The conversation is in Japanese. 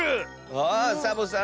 あサボさん